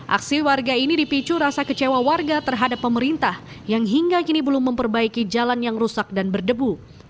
aksi warga ini dipicu rasa kecewa warga terhadap pemerintah yang hingga kini belum memperbaiki jalan yang rusak dan berdebu